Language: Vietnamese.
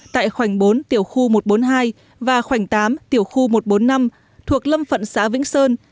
tại khoảnh bốn tiểu khu một trăm bốn mươi hai và khoảnh tám tiểu khu một trăm bốn mươi năm thuộc lâm phận xã vĩnh sơn